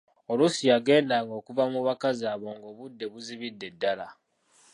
Oluusi yagendanga okuva mu bakazi abo ng'obudde buzibidde ddala.